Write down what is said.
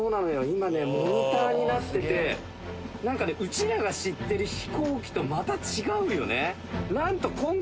今ねモニターになってて何かねうちらが知ってる飛行機とまた違うよね。